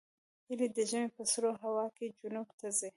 هیلۍ د ژمي په سړه هوا کې جنوب ته ځي